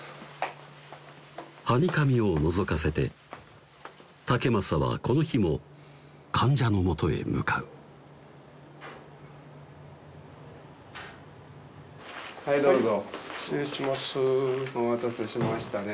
はにかみをのぞかせて竹政はこの日も患者のもとへ向かうはいどうぞお待たせしましたね